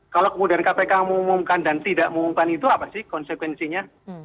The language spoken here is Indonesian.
kalau kemudian kpk mengumumkan dan tidak mengumumkan itu apa sih konsekuensinya